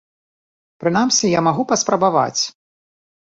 Прынамсі, я магу паспрабаваць!